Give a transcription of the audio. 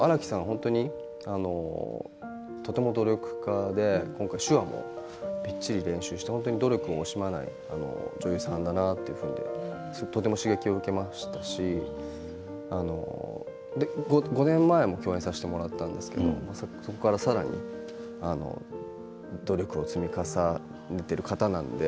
本当にとても努力家で今回、手話もみっちり練習して努力を惜しまない女優さんだなととても刺激を受けましたし５年前も共演させてもらったんですけどそこから、さらに努力を積み重ねている方なので。